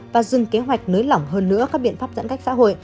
và dừng kế hoạch nới lỏng hơn nữa các biện pháp giãn cách xã hội